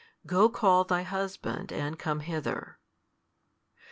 Go call thy husband, and come hither.